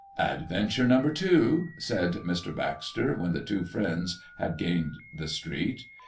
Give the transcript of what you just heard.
"Adventure No. 2," said Mr. Baxter, when the two friends had gained the street.